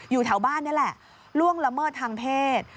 อยู่แถวบ้านนี่แหละล่วงละเมิดทางเพศ